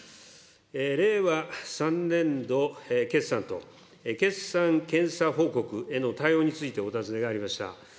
令和３年度決算と、決算検査報告への対応についてお尋ねがありました。